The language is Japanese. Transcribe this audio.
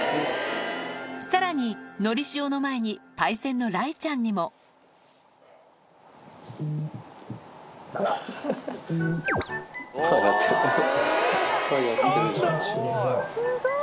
さらにのりしおの前にパイセンの雷ちゃんにもすごい。